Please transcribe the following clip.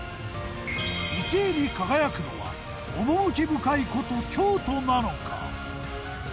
１位に輝くのは趣深い古都京都なのか？